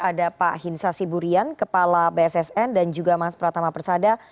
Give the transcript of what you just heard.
ada pak hinsa siburian kepala bssn dan juga mas pratama persada